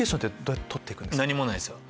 何もないですよ。